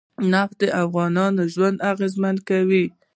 نفت د افغانانو ژوند اغېزمن کوي.